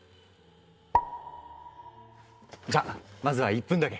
じゃまずは１分だけ。